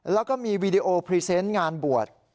แล้วก็มีวีดีโอพรีเซนต์งานบวช